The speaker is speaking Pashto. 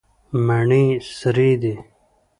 مڼې سرې دي.